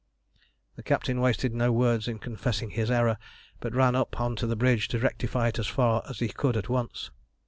The captain wasted no words in confessing his error, but ran up on to the bridge to rectify it as far as he could at once.